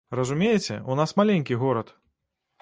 Разумееце, у нас маленькі горад.